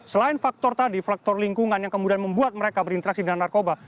selain faktor tadi faktor lingkungan yang kemudian membuat mereka berinteraksi dengan narkoba